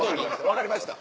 分かりました。